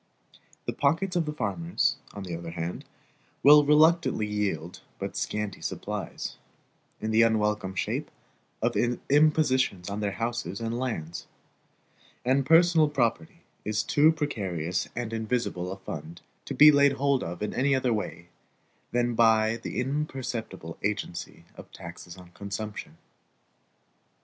The pockets of the farmers, on the other hand, will reluctantly yield but scanty supplies, in the unwelcome shape of impositions on their houses and lands; and personal property is too precarious and invisible a fund to be laid hold of in any other way than by the imperceptible agency of taxes on consumption.